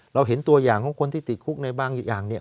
เราเห็นตัวอย่างของคนที่ติดคุกในบางอย่างเนี่ย